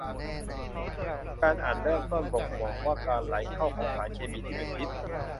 การอ่านเริ่มต้นบ่งบอกว่าการไหลเข้าของสารเคมีที่เป็นพิษ